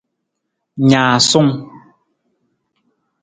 Naasung.